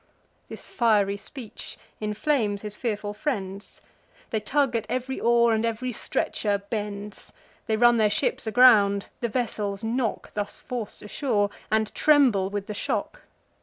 This fiery speech inflames his fearful friends: They tug at ev'ry oar, and ev'ry stretcher bends; They run their ships aground; the vessels knock, (Thus forc'd ashore,) and tremble with the shock.